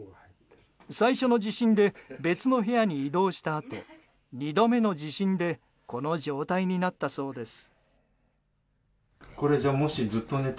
最初の地震で別の部屋に移動したあと２度目の地震でこの状態になったそうです。